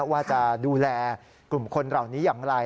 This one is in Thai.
ว่าจะดูแลกลุ่มคนเหล่านี้อย่างไร